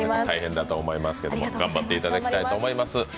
大変だと思いますけれど頑張っていただきたいと思います。